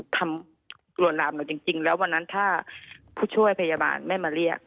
ลวนลามหนูจริงแล้ววันนั้นถ้าผู้ช่วยพยาบาลไม่มาเรียก